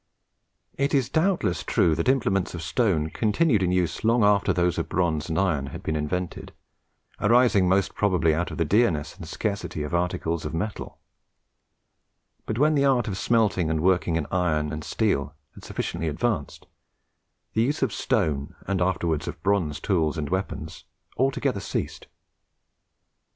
It is doubtless true that implements of stone continued in use long after those of bronze and iron had been invented, arising most probably from the dearness and scarcity of articles of metal; but when the art of smelting and working in iron and steel had sufficiently advanced, the use of stone, and afterwards of bronze tools and weapons, altogether ceased.